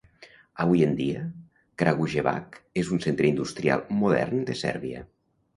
Avui en dia Kragujevac és un centre industrial modern de Sèrbia.